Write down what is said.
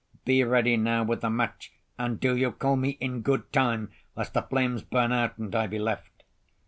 Be ready now with the match; and do you call me in good time lest the flames burn out and I be left."